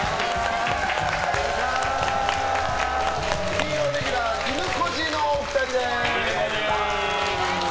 金曜レギュラーいぬこじのお二人です！